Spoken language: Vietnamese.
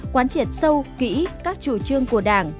quán triển sâu kỹ các chủ trương của đảng